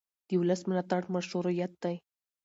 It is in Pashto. د ولس ملاتړ مشروعیت دی